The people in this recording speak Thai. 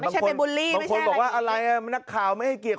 บางคนบอกว่าอะไรน่ะนักข่าวไม่ให้เกียรติ